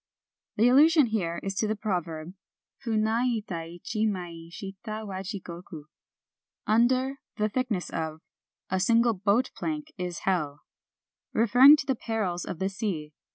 The allusion here is to the proverb, Funa ita ichi mai shita wa Jigoku: "Under [the thickness of] a single boat plank is hell," — referring to the perils of the sea.